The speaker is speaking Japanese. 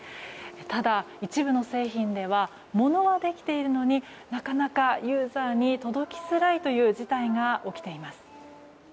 ただ、一部の製品ではものはできているのになかなかユーザーに届きづらいという事態が起きています。